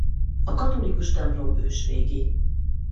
A katholikus templom ősrégi.